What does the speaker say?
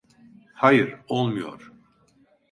Hayır, olmuyor.